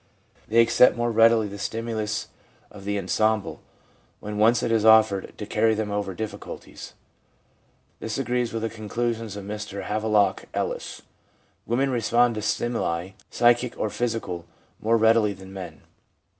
They accept more readily the stimulus of the ensemble^ when once it is offered, to carry them over difficulties. This agrees with the conclusions of Mr Havelock Ellis: 1 Women respond to stimuli, psychic or physical, more readily than men.